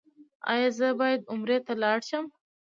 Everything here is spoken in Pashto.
ایا زه باید عمرې ته لاړ شم؟